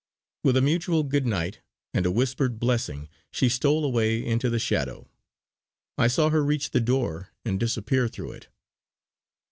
With a mutual 'good night' and a whispered blessing she stole away into the shadow. I saw her reach the door and disappear through it.